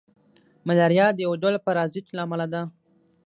ملاریا د یو ډول پرازیت له امله ده